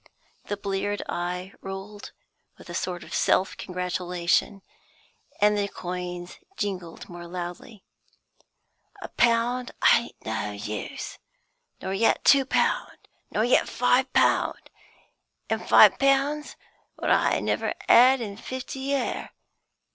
The bleared eye rolled with a sort of self congratulation, and the coins jingled more loudly. "A pound ain't no use; nor yet two pound; nor yet five pound. An' five pound's what I never 'ad in fifty year.